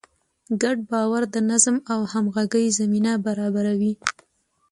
ګډ باور د نظم او همغږۍ زمینه برابروي.